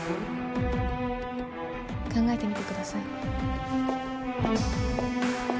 考えてみてください。